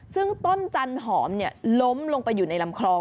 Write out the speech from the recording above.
ซึ่งต้นจันหอมล้มลงไปอยู่ในลำคลอง